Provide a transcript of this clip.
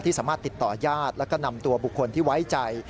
สามารถติดต่อญาติแล้วก็นำตัวบุคคลที่ไว้ใจ